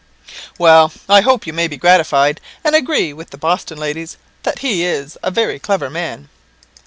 "Well, I hope you may be gratified, and agree with the Boston ladies that he is a very clever man."